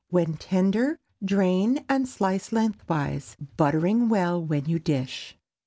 When tender, drain and slice lengthwise, buttering well when you dish.